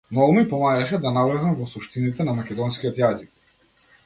Многу ми помагаше да навлезам во суштините на македонскиот јазик.